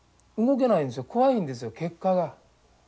動けないんですよ怖いんですよ結果が。